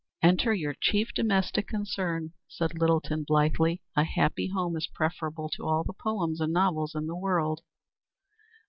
"Enter your chief domestic concern," said Littleton blithely. "A happy home is preferable to all the poems and novels in the world."